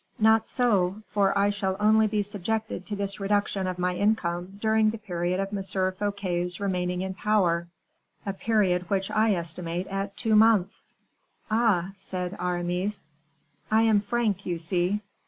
"Not so, for I shall only be subjected to this reduction of my income during the period of M. Fouquet's remaining in power, a period which I estimate at two months." "Ah!" said Aramis. "I am frank, you see."